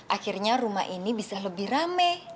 akhirnya rumah ini bisa lebih rame